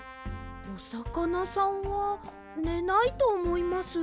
おさかなさんはねないとおもいます。